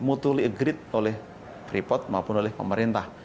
mutually agreed oleh freeport maupun oleh pemerintah